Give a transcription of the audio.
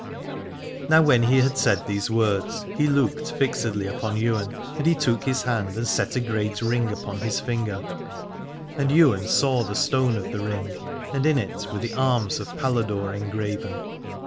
Now when he had said these words he looked fixedly upon Ywain, and he took his hand and set a great ring upon his finger : and Ywain saw the stone of the ring, and in it were the arms of Paladore engraven.